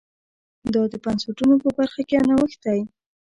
دا د بنسټونو په برخه کې یو نوښت دی.